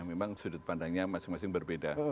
memang sudut pandangnya masing masing berbeda